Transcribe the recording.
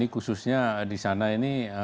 khususnya disana ini